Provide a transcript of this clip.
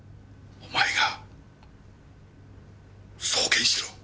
お前が送検しろ。